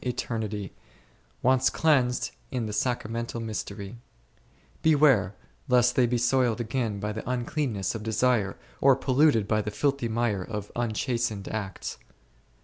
eternity, once cleansed in the sacramental mystery ; beware lest they be soiled again by the uncleanness of desire, or polluted by the filthy mire of unchastened acts.